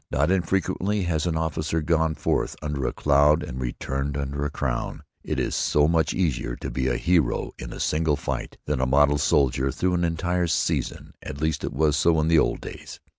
Not infrequently has an officer gone forth under a cloud and returned under a crown. It is so much easier to be a hero in a single fight than a model soldier through an entire season at least it was so in the old days.